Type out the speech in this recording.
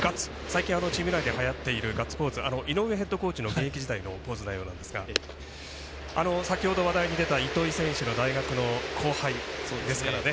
最近、チーム内ではやっている井上ヘッドコーチの現役時代のポーズのようですが先ほど話題に出た糸井選手の大学の後輩ですからね。